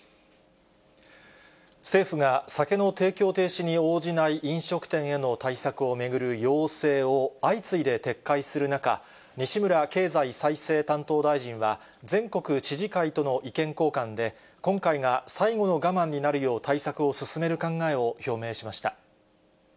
政府が酒の提供停止に応じない飲食店への対策を巡る要請を相次いで撤回する中、西村経済再生担当大臣は全国知事会との意見交換で、今回が最後の我慢になるよう対策を進める考えを表明しました。